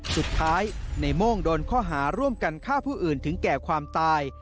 สุดท้ายในโม่งโดนข้อหาร่วมกันฆ่าผู้อื่นถึงแก่ความตาย